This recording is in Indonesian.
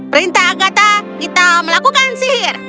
perintah kata kita melakukan sihir